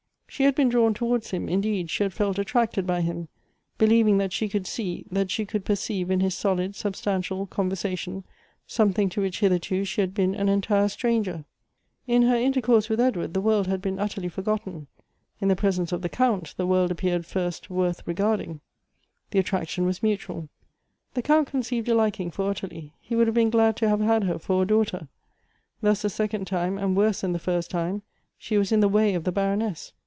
She had been drawn towards him ; indeed, she had felt attracted by him ; believing that she could see, that she could per ceive in his solid, substantial conversation, something to which hitherto she had been an entire stranger. In her intercourse with Edward, the world had been utterly for gotten; in the presence of the Count, the world appeared first worth reorardino;. The attraction was mutual. The Count conceived a liking for Ottilie ; he would have been glad to have had her for a daughter. Thus a second time, and worse than the first time, she was in the way of the Baroness.